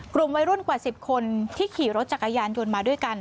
กลุ่มวัยรุ่นกว่า๑๐คนที่ขี่รถจักรยานยนต์มาด้วยกัน